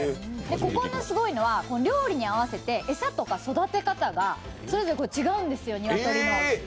ここのすごいのは、料理に合わせて餌とか育て方がそれぞれ違うんですよ、鶏の。